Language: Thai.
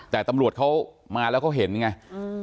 แต่ตำรวจเขามาแล้วเขาเห็นไงอืม